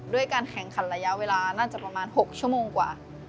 ด้วยการแข่งขันระยะเวลาน่าจะประมาณ๖ชั่วโมงกว่า